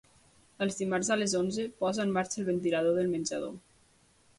Els dimarts a les onze posa en marxa el ventilador del menjador.